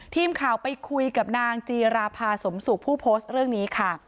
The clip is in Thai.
ทีมข่าวไปคุยกับนางจีราภาสมสุขผู้โพสต์เรื่องนี้ค่ะ